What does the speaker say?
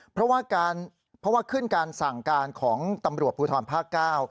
เพราะว่าขึ้นการสั่งการของตำรวจภูทรภาคเก้า